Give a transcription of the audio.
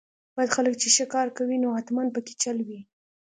بد خلک چې ښه کار کوي نو حتماً پکې چل وي.